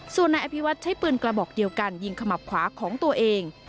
ส่วนนายอภิวัฒน์ใช้ปืนกระบอกเดียวกันยิงขมับขวาของตัวเอง